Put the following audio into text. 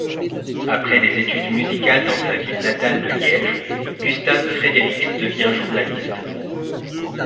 Après des études musicales dans sa ville natale de Liège, Gustave Frédérix devient journaliste.